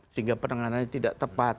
sehingga penanganannya tidak tepat